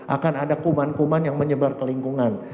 akan ada kuman kuman yang menyebar ke lingkungan